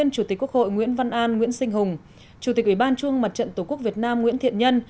chủ tịch ủy ban trung mặt trận tổ quốc việt nam nguyễn thiện nhân